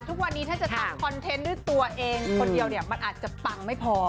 ทุกวันนี้ถ้าจะทำคอนเทนต์ด้วยตัวเองคนเดียวเนี่ยมันอาจจะปังไม่พอ